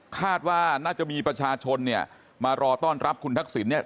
คาดว่าน่าจะมีประชาชนเนี่ยมารอต้อนรับคุณทักษิณเนี่ย